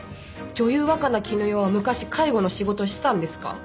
女優若菜絹代は昔介護の仕事をしてたんですか？